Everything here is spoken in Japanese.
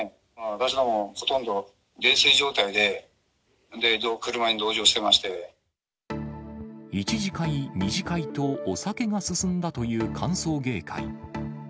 私どもほとんど泥酔状態で、１次会、２次会とお酒が進んだという歓送迎会。